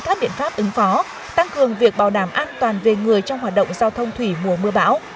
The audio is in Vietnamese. các biện pháp ứng phó tăng cường việc bảo đảm an toàn về người trong hoạt động giao thông thủy mùa mưa bão